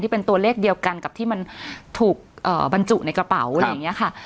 เป็นตัวเลขเดียวกันกับที่มันถูกบรรจุในกระเป๋าอะไรอย่างนี้ค่ะ